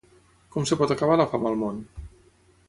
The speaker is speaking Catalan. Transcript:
Com es pot acabar la fam al món?